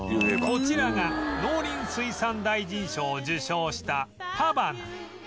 こちらが農林水産大臣賞を受賞したパバナ